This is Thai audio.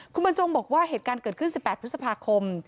คุณบรรจงบอกว่าเหตุการณ์เกิดขึ้น๑๘พฤษภาคม